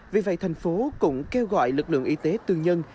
vì vậy thành phố cũng kêu gọi lực lượng y tế tư nhân